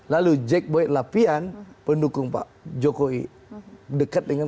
lalu jack boyd lapian pendukung pak jokowi dekat dengan